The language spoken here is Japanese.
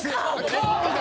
カーブが！